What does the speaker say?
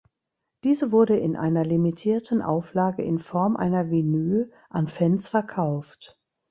Diese wurde in einer limitierten Auflage in Form einer Vinyl an Fans verkauft.